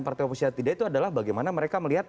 partai oposisi atau tidak itu adalah bagaimana mereka melihat